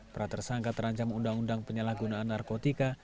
pra tersangka terancam undang undang penyalahgunaan narkotika